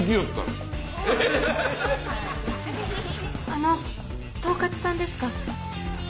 あの統括さんですか？